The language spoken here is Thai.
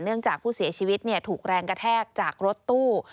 จากผู้เสียชีวิตถูกแรงกระแทกจากรถตู้